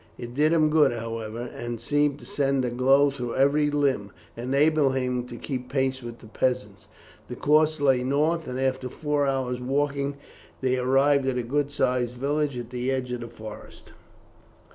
It did him good, however, and seemed to send a glow through every limb, enabling him to keep pace with the peasants. Their course lay north, and after four hours' walking they arrived at a good sized village at the edge of a forest.